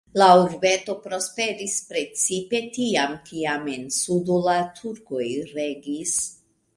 La urbeto prosperis precipe tiam, kiam en sudo la turkoj regis.